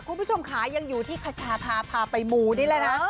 คุณผู้ชมค่ะยังอยู่ที่ขชาพาพาไปมูนี่แหละนะ